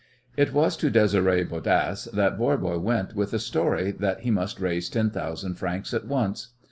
It was to Désiré Bodasse that Voirbo went with the story that he must raise ten thousand francs at once.